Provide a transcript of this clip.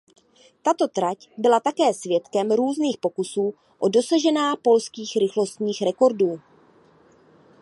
Tato trať byla také svědkem různých pokusů o dosažená polských rychlostních rekordů.